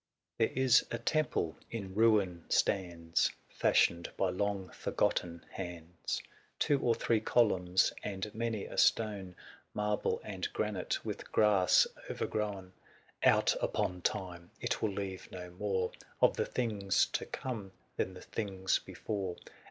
There is a temple in ruin stands, 450 Fashioned by long forgotten hands ; 28 THE SIEGE OF CORINTH. Two or three columns, and many a stone. Marble and granite, with grass o'ergrown ! Out upon Time ! it will leave no more Of the things to come than the things before